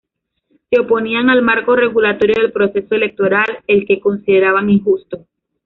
Se oponían al marco regulatorio del proceso electoral, el que consideraban injusto.